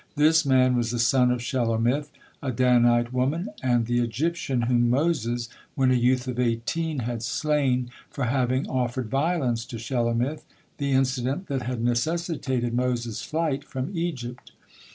This man was the son of Shelomith, a Danite woman, and the Egyptian, whom Moses, when a youth of eighteen, had slain for having offered violence to Shelomith, the incident that had necessitated Moses' flight from Egypt.